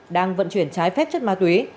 đang vận chuyển trái phép chất ma túy